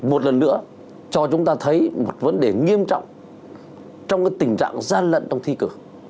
một lần nữa cho chúng ta thấy một vấn đề nghiêm trọng trong tình trạng gian lận trong thi cử